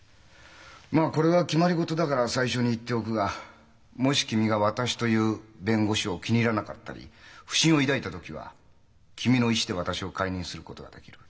まあこれは決まり事だから最初に言っておくがもし君が私という弁護士を気に入らなかったり不審を抱いた時は君の意志で私を解任することができる。